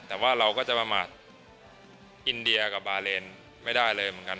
แต่ว่าเราก็จะประมาทอินเดียกับบาเลนไม่ได้เลยเหมือนกัน